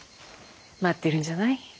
待ってるんじゃない？